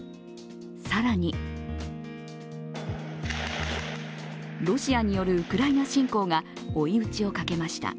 更にロシアによるウクライナ侵攻が追い打ちをかけました。